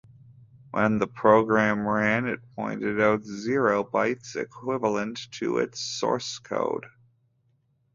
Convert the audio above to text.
When the program ran, it printed out zero bytes, equivalent to its source code.